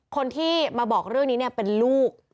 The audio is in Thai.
คนที่มาบอกเรื่องนี้เป็นลูก